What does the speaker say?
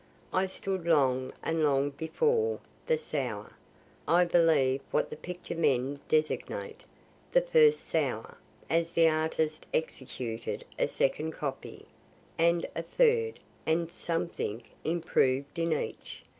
I stood long and long before "the Sower." I believe what the picture men designate "the first Sower," as the artist executed a second copy, and a third, and, some think, improved in each.